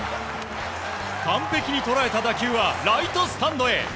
完璧に捉えた打球はライトスタンドへ。